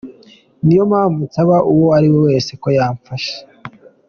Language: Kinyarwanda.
Niyo mpamvu nsaba uwo ari wese ko yamfasha.